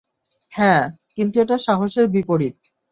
হ্যাঁ, কিন্তু এটা সাহসের বিপরীত।